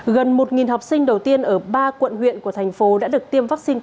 gần một học sinh đầu tiên ở ba quận huyện của thành phố đã được tiêm vaccine